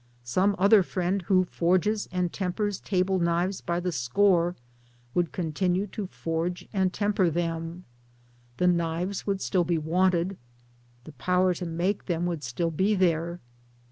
Some other friend who forges and tempers table knives by the score would continue to forge and temper them. The knives would still be wanted, the power to make them would still be there.